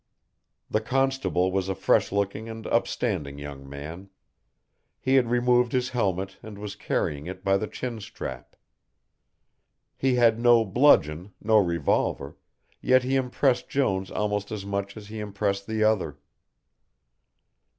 The constable was a fresh looking and upstanding young man; he had removed his helmet and was carrying it by the chin strap. He had no bludgeon, no revolver, yet he impressed Jones almost as much as he impressed the other.